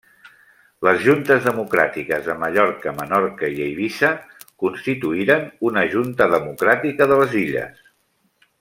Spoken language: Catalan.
Les juntes democràtiques de Mallorca, Menorca i Eivissa constituïren una Junta Democràtica de les Illes.